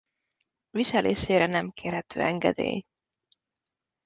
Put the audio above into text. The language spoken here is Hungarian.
Viselésére nem kérhető engedély.